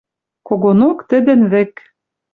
Когонок тӹдӹн вӹк